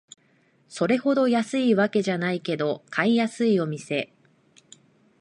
それほど安いわけじゃないけど買いやすいお店